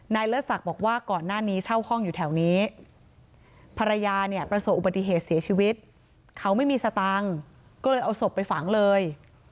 เลิศศักดิ์บอกว่าก่อนหน้านี้เช่าห้องอยู่แถวนี้ภรรยาเนี่ยประสบอุบัติเหตุเสียชีวิตเขาไม่มีสตังค์ก็เลยเอาศพไปฝังเลย